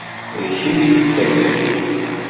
D kemm ay d takluct.